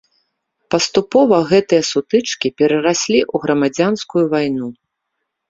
Паступова гэтыя сутычкі перараслі ў грамадзянскую вайну.